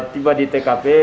tiba di tkp